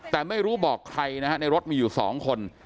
แต่ไม่รู้บอกใครนะฮะในรถมีอยู่๒คน